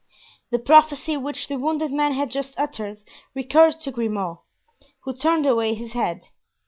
The prophecy which the wounded man had just uttered recurred to Grimaud, who turned away his head.